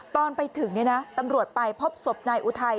ตอนไปถึงตำรวจไปพบศพนายอุทัย